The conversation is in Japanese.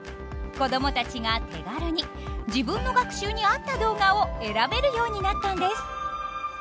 子供たちが手軽に自分の学習に合った動画を選べるようになったんです。